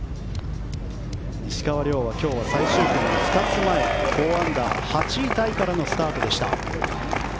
石川遼は今日最終組の２つ前４アンダー、８位タイからのスタートでした。